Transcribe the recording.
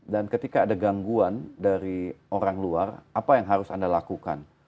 ketika ada gangguan dari orang luar apa yang harus anda lakukan